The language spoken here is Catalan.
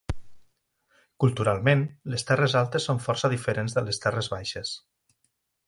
Culturalment, les Terres Altes són força diferents de les Terres Baixes.